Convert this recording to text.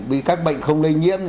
bị các bệnh không lây nhiễm